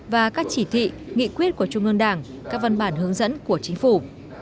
và các chỉ thị nghị quyết của trung ương đảng các văn bản hướng dẫn của chính phủ